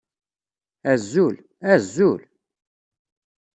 Azul, Azul!